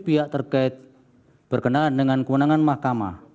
ssv biak terkait berkenaan dengan kewenangan mahkamah